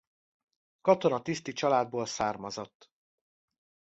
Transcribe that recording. Katonatiszti családból származott.